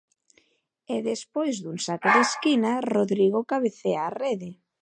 E despois dun saque de esquina, Rodrigo cabecea á rede.